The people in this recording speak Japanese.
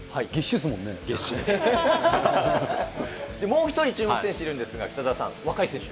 もう１人注目選手いるんですが、北澤さん、若い選手。